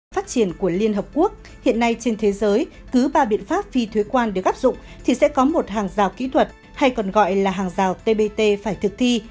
phát triển của liên hợp quốc hiện nay trên thế giới cứ ba biện pháp phi thuế quan được áp dụng thì sẽ có một hàng rào kỹ thuật hay còn gọi là hàng rào tbt phải thực thi